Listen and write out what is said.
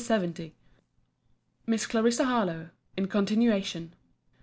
LETTER LXX MISS CLARISSA HARLOWE [IN CONTINUATION.